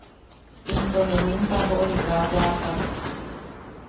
Into ne nim tajo’ori kaa wattak.